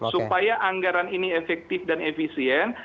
supaya anggaran ini efektif dan efisien